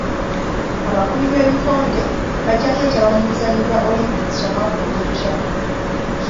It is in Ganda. Abakubi b'ebikonde bajja kwetaba mu muzannyo gwa olimpikisi omwaka ogujja.